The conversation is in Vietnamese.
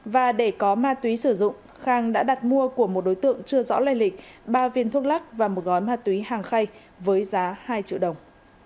và để có ma túy sử dụng khang đã đặt mua của một đối tượng chưa rõ lây lịch ba viên thuốc lắc và một gói ma túy hàng khay với giá hai triệu đồng